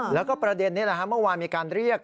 แล้วก็ประเด็นนี้เมื่อวานมีการเรียก